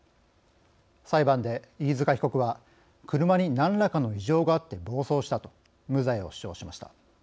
裁判で飯塚被告は「車に何らかの異常があって暴走した」と無罪を主張しました。